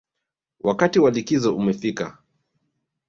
Wakati wa likizo umefika